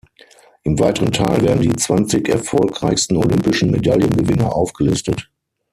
Im weiteren Teil werden die zwanzig erfolgreichsten olympischen Medaillengewinner aufgelistet.